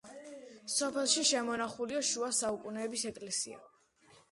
სოფელში შემონახულია შუა საუკუნეების ეკლესია.